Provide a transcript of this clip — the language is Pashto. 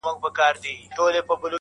• نه په شرم نه گناه به څوك پوهېږي -